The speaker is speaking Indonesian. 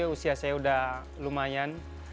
usia saya sudah lumayan